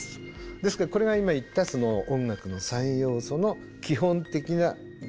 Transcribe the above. ですからこれが今言った音楽の三要素の基本的な原理です。